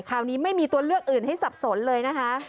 คราวนี้ไม่มีตัวเลือกอื่นให้สับสนเลยนะคะ